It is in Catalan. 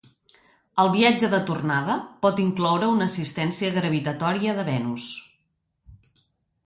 El viatge de tornada pot incloure una assistència gravitatòria de Venus.